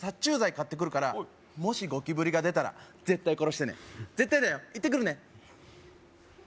買ってくるからもしゴキブリが出たら絶対殺してね絶対だよ行ってくるね